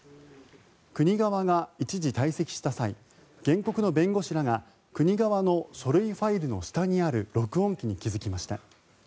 国側が一時退席した際原告の弁護士らが国側の書類ファイルの下にある録音機に気付きました。